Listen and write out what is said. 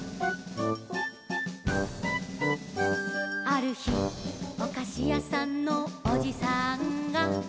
「あるひおかしやさんのおじさんが」